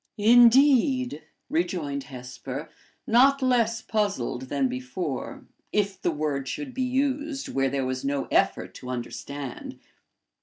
"Indeed!" rejoined Hesper, not less puzzled than before, if the word should be used where there was no effort to understand.